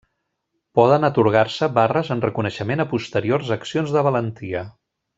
Poden atorgar-se barres en reconeixement a posteriors accions de valentia.